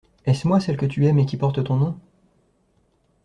Est-ce moi, celle que tu aimes et qui porte ton nom?